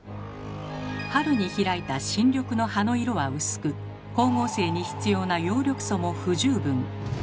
春に開いた新緑の葉の色は薄く光合成に必要な葉緑素も不十分。